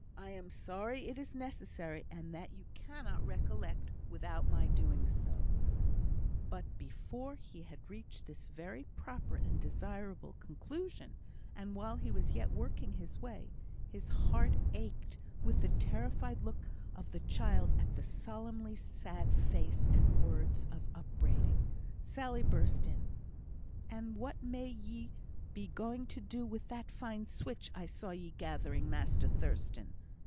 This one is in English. I am very sorry it is necessary, and that you cannot recollect without my doing so." But before he had reached this very proper and desirable conclusion, and while he was yet working his way, his heart aching with the terrified look of the child at the solemnly sad face and words of upbraiding, Sally burst in: "And what may ye be going to do with that fine switch I saw ye gathering, Master Thurstan?"